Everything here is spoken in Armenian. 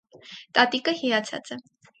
Տատիկը հիացած է։